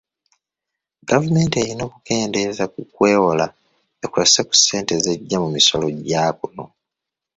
Gavumenti eyina okukeendeeza ku kwewola ekozese ku ssente z'ejja mu misolo gya kuno.